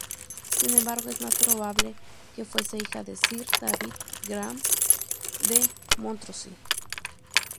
Sin embargo es más probable que fuese hija Sir David Graham de Montrose.